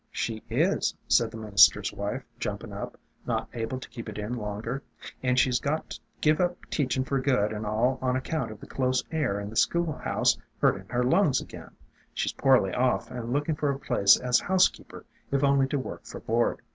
"'She is,' said the minister's wife, jumpin' up, not able to keep it in longer, 'and she 's got to give up teachin' for good and all, on account of the close air in the school house hurting her lungs again. She 's poorly off, and looking for a place as housekeeper, if only to work for board.